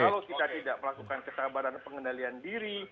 jika kita tidak melakukan kesabaran dan pengendalian diri